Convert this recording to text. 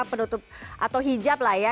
penutup atau hijab lah ya